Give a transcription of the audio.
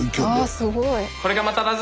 あすごい。